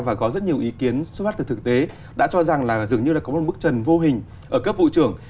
và có rất nhiều ý kiến xuất phát từ thực tế đã cho rằng là dường như là có một bước trần vô hình ở cấp bộ trưởng